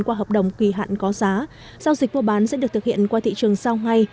qua hợp đồng kỳ hạn có giá giao dịch mua bán sẽ được thực hiện qua thị trường sau ngay